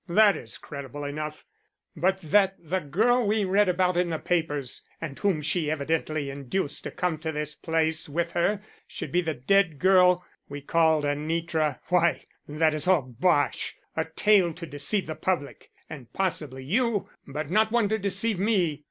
That is credible enough. But that the girl we read about in the papers and whom she evidently induced to come to this place with her should be the dead girl we called Anitra why, that is all bosh a tale to deceive the public, and possibly you, but not one to deceive me.